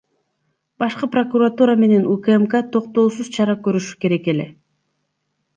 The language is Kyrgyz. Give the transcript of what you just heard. Башкы прокуратура менен УКМК токтоосуз чара көрүшү керек эле.